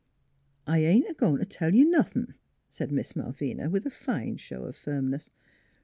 " I ain't goin' t' tell you nothin',' said Miss Malvina with a fine show of firmness.